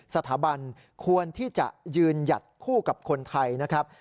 สถาบันควรที่จะยืนหยัดคู่กับคนไทยนะครับ